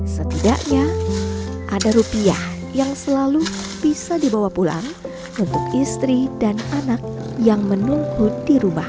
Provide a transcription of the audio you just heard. setidaknya ada rupiah yang selalu bisa dibawa pulang untuk istri dan anak yang menunggu di rumah